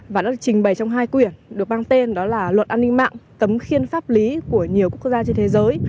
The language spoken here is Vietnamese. và nó được trình bày trong hai quyển được mang tên đó là luật an ninh mạng tấm khiên pháp lý của nhiều quốc gia trên thế giới